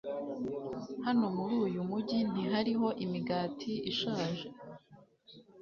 Hano muri uyu mujyi ntihariho imigati ishaje?